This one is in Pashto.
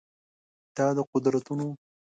دا د قدرتونو